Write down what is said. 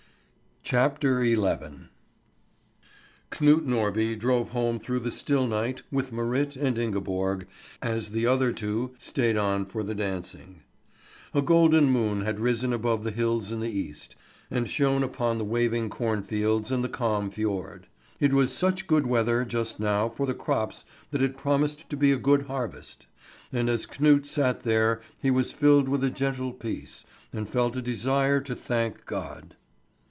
CHAPTER XI KNUT NORBY drove home through the still night with Marit and Ingeborg, as the other two stayed on for the dancing. A golden moon had risen above the hills in the east, and shone upon the waving corn fields and the calm fjord. It was such good weather just now for the crops that it promised to be a good harvest; and as Knut sat there he was filled with a gentle peace, and felt a desire to thank God.